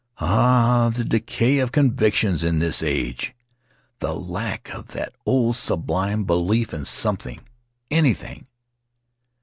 Ah! the decay of convictions in this age! The lack of that old sublime belief in something — anything!